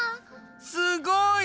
すごい！